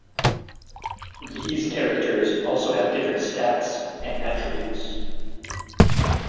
These characters also have different stats and attributes.